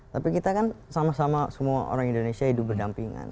tapi kita kan sama sama semua orang indonesia hidup berdampingan